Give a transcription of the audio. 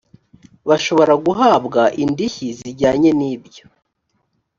bashobora guhabwa indishyi zijyanye n ibyo